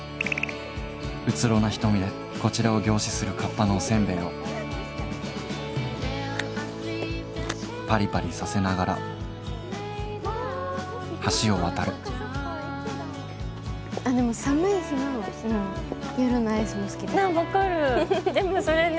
うつろな瞳でこちらを凝視するかっぱのおせんべいをパリパリさせながら橋を渡るえっそうなんですか？